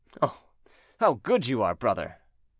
"Oh! how good you are, brother!"